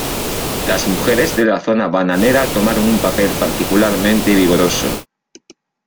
Las mujeres de la zona bananera tomaron un papel particularmente vigoroso.